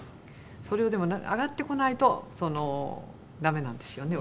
それをでも上がってこないとダメなんですよね